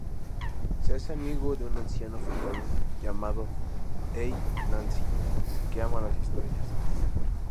Se hace amigo de un anciano africano llamado A. Nancy que ama las historias.